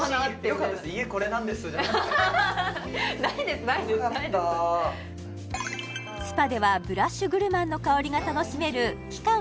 良かったスパではブラッシュ・グルマンの香りが楽しめる期間